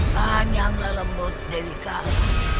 danyang lelembut dewi kala